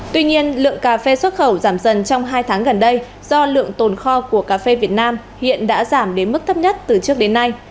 tuy nhiên lượng cà phê xuất khẩu giảm dần trong hai tháng gần đây do lượng tồn kho của cà phê việt nam hiện đã giảm đến mức thấp nhất từ trước đến nay